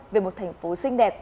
về một thành phố xinh đẹp